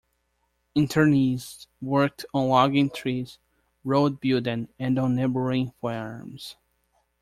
Internees worked on logging trees, road building and on neighbouring farms.